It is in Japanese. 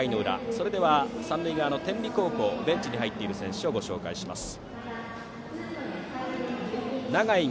それでは三塁側の天理高校、ベンチに入っている選手をご紹介します。